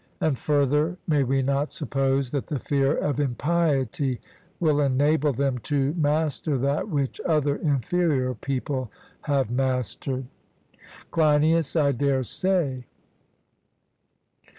And, further, may we not suppose that the fear of impiety will enable them to master that which other inferior people have mastered? CLEINIAS: I dare say.